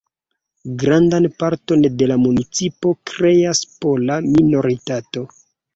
Grandan parton de la municipo kreas pola minoritato.